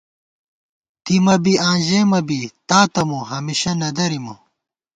دِمہ بی آں ژېمہ بی، تاتہ مو، ہمیشہ نہ درِمہ